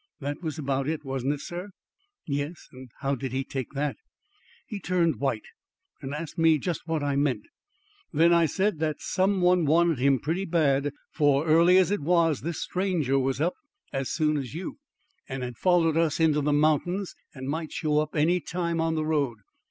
That was about it, wasn't it, sir?" "Yes. And how did he take that?" "He turned white, and asked me just what I meant. Then I said that some one wanted him pretty bad, for, early as it was, this stranger was up as soon as you, and had followed us into the mountains and might show up any time on the road.